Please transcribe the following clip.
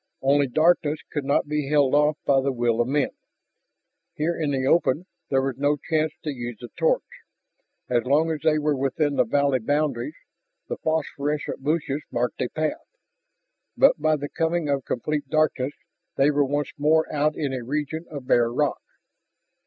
Only darkness could not be held off by the will of men. Here in the open there was no chance to use the torch. As long as they were within the valley boundaries the phosphorescent bushes marked a path. But by the coming of complete darkness they were once more out in a region of bare rock.